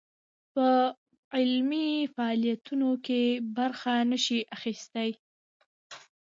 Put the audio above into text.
په علمي فعاليتونو کې برخه نه شي اخىستى